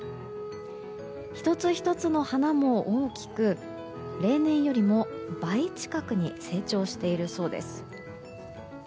１つ１つの花も大きく例年よりも倍近くに成長しているそうです。